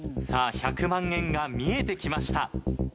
さあ１００万円が見えてきました。